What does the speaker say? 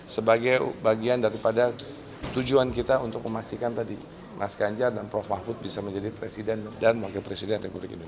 sebagai bagian daripada tujuan kita untuk memastikan tadi mas ganjar dan prof mahfud bisa menjadi presiden dan wakil presiden republik indonesia